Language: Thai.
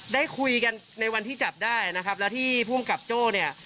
ได้คุยกันในวันที่จับได้นะครับแล้วที่ภูมิกับโจ้เนี่ย